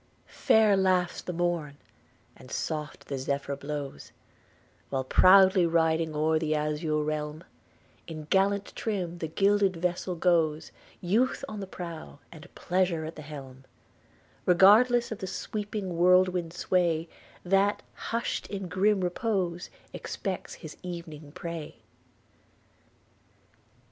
'Fair laughs the morn, and soft the zephyr blows; While proudly riding o'er the azure realm, In gallant trim the gilded vessel goes, Youth on the prow, and pleasure at the helm; Regardless of the sweeping whirlwind's sway, That, hush'd in grim repose, expects his evening prey.'